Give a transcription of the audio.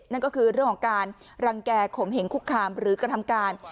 นั่นก็คือเรื่องของการรังแก่ขมเหงคุกคามหรือกระทำการ